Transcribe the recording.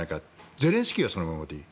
ゼレンスキーはそのままでいい。